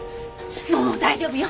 もう大丈夫よ。